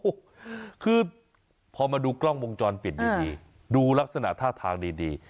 โอ้โหคือพอมาดูกล้องวงจรปิดดีดูลักษณะท่าทางดีดี